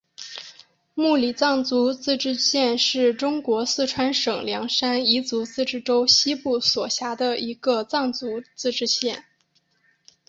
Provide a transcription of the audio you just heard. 木里藏族自治县是中国四川省凉山彝族自治州西部所辖的一个藏族自治县。